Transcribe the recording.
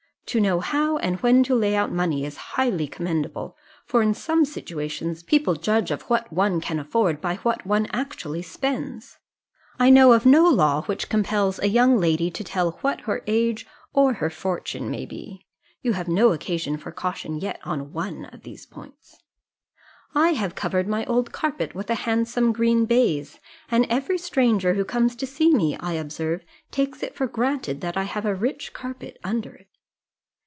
To know how and when to lay out money is highly commendable, for in some situations, people judge of what one can afford by what one actually spends. I know of no law which compels a young lady to tell what her age or her fortune may be. You have no occasion for caution yet on one of these points. "I have covered my old carpet with a handsome green baize, and every stranger who comes to see me, I observe, takes it for granted that I have a rich carpet under it.